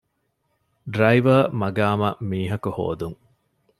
ޑްރައިވަރ މަގާމަށް މީހަކު ހޯދުން